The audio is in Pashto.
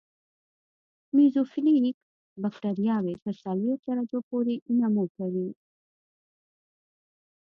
میزوفیلیک بکټریاوې تر څلوېښت درجو پورې نمو کوي.